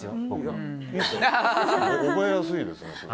覚えやすいですね。